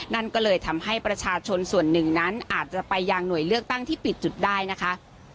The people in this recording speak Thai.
นั่นก็เลยทำให้ประชาชนส่วนหนึ่งนั้นอาจจะไปยังหน่วยเลือกตั้งที่ปิดจุดได้นะคะ